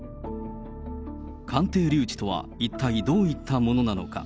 鑑定留置とは一体どういったものなのか。